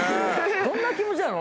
どんな気持ちなの？